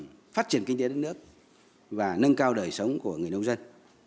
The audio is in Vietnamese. để góp phần phát triển kinh tế đất nước và nâng cao đời sống của người nông dân